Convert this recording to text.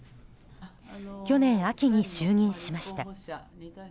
去年秋に就任しました。